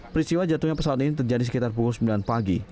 peristiwa jatuhnya pesawat ini terjadi sekitar pukul sembilan pagi